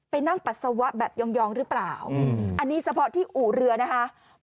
นั่งปัสสาวะแบบยองหรือเปล่าอันนี้เฉพาะที่อู่เรือนะคะ